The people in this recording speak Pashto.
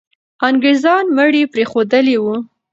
انګریزان مړي پرېښودلي وو.